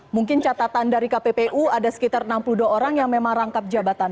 mungkin catatan dari kppu ada sekitar enam puluh dua orang yang memang rangkap jabatan